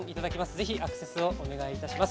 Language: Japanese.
ぜひアクセスをお願いいたします。